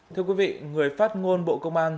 thưa quý vị người phát ngôn bộ công an